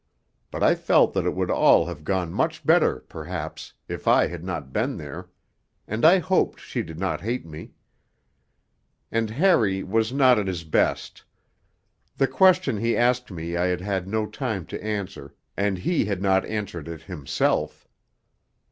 But I felt that it would all have gone much better, perhaps, if I had not been there, and I hoped she did not hate me. And Harry was not at his best. The question he asked me I had had no time to answer, and he had not answered it himself.